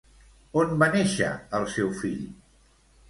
On va néixer el seu fill?